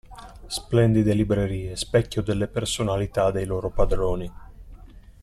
Splendide librerie, specchio delle personalità dei loro padroni.